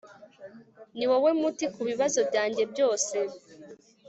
niwowe muti kubibazo byanjye byose